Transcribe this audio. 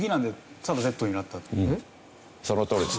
そのとおりです。